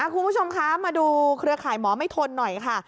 คุณผู้ชมคะมาดูเครือข่ายหมอไม่ทนหน่อยค่ะ